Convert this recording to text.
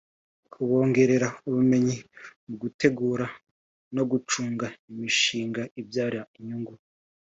kubongerera ubumenyi mu gutegura no gucunga imishinga ibyara inyungu